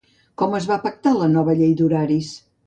Com es va pactar la nova llei d'horaris?